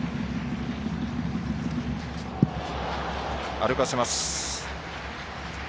歩かせます。